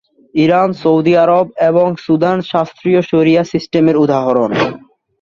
Iran, Saudi আরব, এবং Sudan শাস্ত্রীয় শরিয়া সিস্টেমের উদাহরণ।